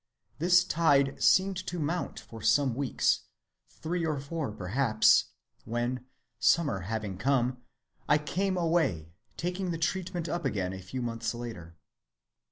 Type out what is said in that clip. This tide seemed to mount for some weeks, three or four perhaps, when, summer having come, I came away, taking the treatment up again a few months later.